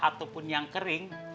ataupun yang kering